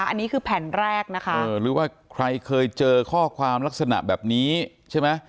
อันนี้คือแผ่นแรกนะคะหรือว่าใครเคยเจอข้อความลักษณะแบบนี้ใช่ไหม